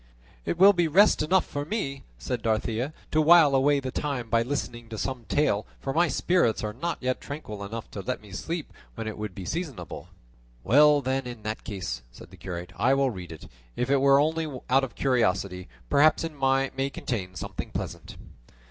"It will be rest enough for me," said Dorothea, "to while away the time by listening to some tale, for my spirits are not yet tranquil enough to let me sleep when it would be seasonable." "Well then, in that case," said the curate, "I will read it, if it were only out of curiosity; perhaps it may contain something pleasant."